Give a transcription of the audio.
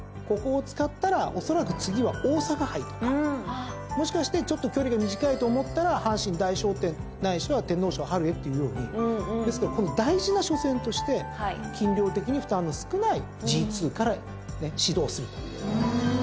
ここを使ったらおそらく次は大阪杯とかもしかしてちょっと距離が短いと思ったら阪神大賞典ないしは天皇賞へっていうようにですからこの大事な初戦として斤量的に負担の少ないＧⅡから始動すると。